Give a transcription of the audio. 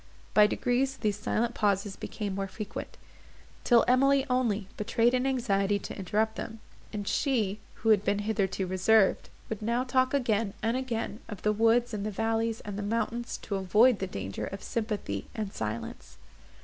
By degrees these silent pauses became more frequent; till Emily, only, betrayed an anxiety to interrupt them; and she; who had been hitherto reserved, would now talk again, and again, of the woods and the valleys and the mountains, to avoid the danger of sympathy and silence.